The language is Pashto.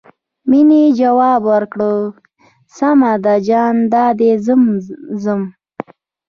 مينې ځواب ورکړ سمه ده جان دادی زه ځم.